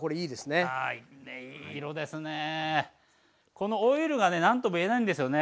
このオイルが何とも言えないんですよね